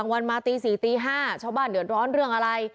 วันมาตี๔ตี๕ชาวบ้านเดือดร้อนเรื่องอะไร